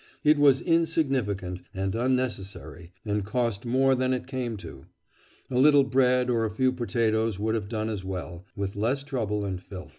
It was insignificant and unnecessary, and cost more than it came to. A little bread or a few potatoes would have done as well, with less trouble and filth."